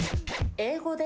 英語で？